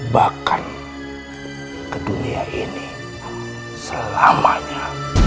bahkan ke dunia ini selamanya